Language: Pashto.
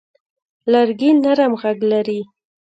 لرګی نرم غږ لري.